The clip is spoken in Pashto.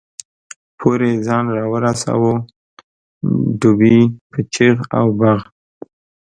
پورې ځان را ورساوه، ډبې په چغ او بغ.